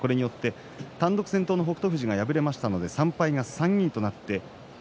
単独先頭の北勝富士が敗れましたので３敗が３人となりました。